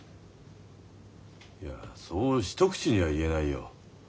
いやそう一口には言えないよ。